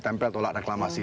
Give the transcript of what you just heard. tempel tolak reklamasi